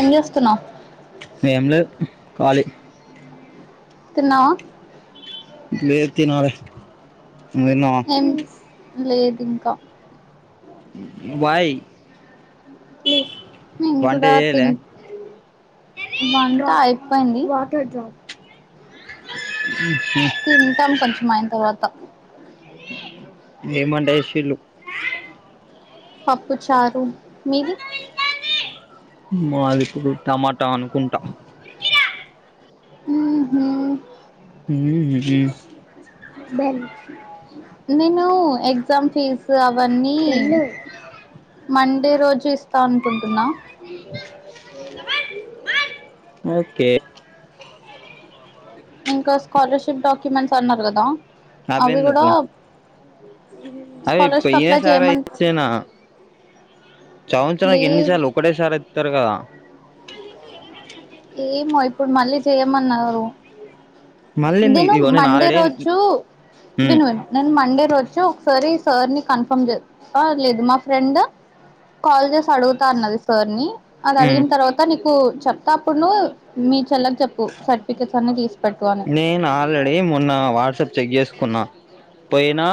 ఏం చేస్తున్నావు ఎం లేదు కాళీ తిన్నావ లేద్ తినలే అ నువ్ తిన్నావా లేదింకా వై ప్లీజ్ నేను కూడా చేయలే తిన్ వన్ రైఫ్ పైన్ది తింటాం కొంచ్ మైన్ తర్వాత ఎం వంట చెషిల్లు పప్పు చారు మీది మాది ఇప్పుడు టమాటా అనుకుంటా మ్ హు మ్ హు నేను ఎగ్జామ్ ఫీజు అవన్నీ మండే రోజు ఇస్తా అనుకుంటున్నా ఓకే ఇంకా స్కాలర్షిప్ డాక్యుమెంట్స్ అన్నారు కదా అవ్వి కూడా అది స్కాలర్షిప్ పోయిన అప్లై సారే చేయమన్ ఇచ్చినా సంవత్సరానికి లేదు ఎన్నిసార్లు ఒటే సరి ఇత్తరు కదా ఏమో ఇప్పుడు మళ్ళీ చేయమన్నారు మళ్ళీ ఎందుకు నేను ఇగో మండే ఆల్రెడీ రోజు ఉమ్, విను విను నేను మండే రోజు సో ఒకసారి సార్ ని కన్ఫర్మ్ చే లేదు మా ఫ్రెండ్ కాల్ చేసి అడుగుతా అన్నది సార్ ని అది ఉమ్. అడిగిన తర్వాత నీకు అప్పునూ మీ చెల్ల. నేనాల్రెడీ మొన్న వాట్సాప్ చెక్ జేసు. కున్నా. పోయినా,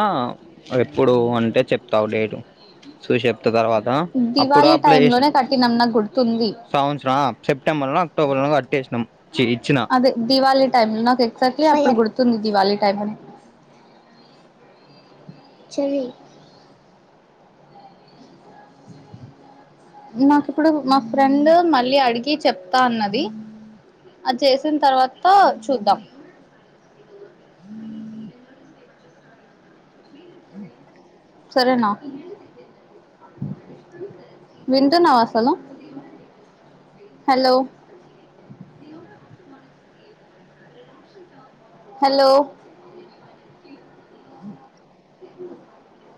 ఎప్పుడు అంటే చెప్తావు డేటు, చూసి ఎప్. త తర్వాత దివాళీ అప్పుడప్లై టైమ్ జేసిన లోనే కట్టినాం నాకు గుర్తుంది సంవత్సర ఆ సెప్టెంబర్ లో అక్టోబర్ లో కట్టేసి. నమ్. అదే దివాళీ. టైంల నాకు ఎగ్జాక్ట్లీ అప్పుడు గుర్తుంది దివాళి టైం అని. నాకు ఇప్పుడు మా ఫ్రెండ్ మళ్ళీ అడిగి చెప్తా అన్నది. అది చేసిన్ తర్వాత చూద్దాం. సరేనా! వింటున్నావాసలు.? హలో. ! హాలో. ! ఆ